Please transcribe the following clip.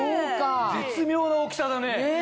絶妙な大きさだね。